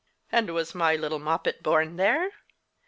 "And was my little Moppet born there?"